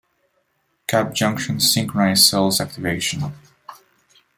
Gap junctions synchronize cell activation.